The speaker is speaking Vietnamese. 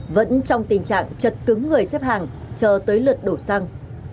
vẫn trong tình trạng chật cứng người xếp hàng chờ tới lượt đổ xăng